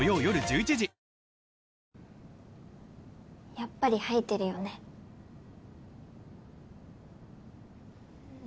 やっぱり吐いてるよね。